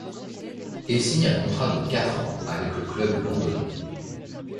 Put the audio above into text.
Il signe un contrat de quatre ans avec le club londonien.